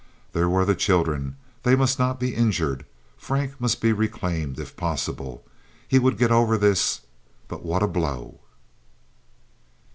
There were the children. They must not be injured. Frank must be reclaimed, if possible. He would get over this. But what a blow!